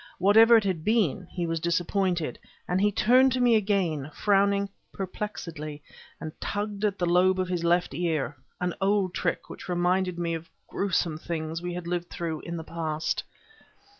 Whatever it had been he was disappointed, and he turned to me again, frowning perplexedly, and tugging at the lobe of his left ear, an old trick which reminded me of gruesome things we had lived through in the past.